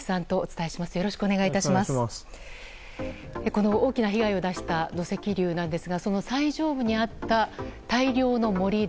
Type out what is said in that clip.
この大きな被害を出した土石流なんですがその最上部にあった大量の盛り土。